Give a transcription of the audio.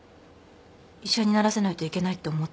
医者にならせないといけないって思ってる？